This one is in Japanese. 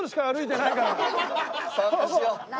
散歩しよう。